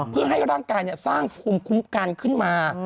เพื่อให้ร่างกายสร้างภูมิคุ้มกันขึ้นมา